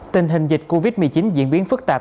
tình hình dịch covid một mươi chín diễn biến phức tạp